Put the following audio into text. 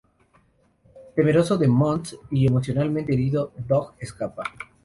Temeroso de Muntz y emocionalmente herido, Dug se escapa.